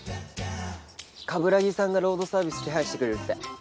鏑木さんがロードサービス手配してくれるって。